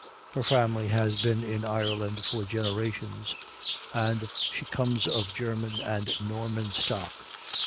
Her family has been in Ireland for generations, and she comes of German and Norman stock.